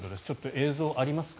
映像、ありますか？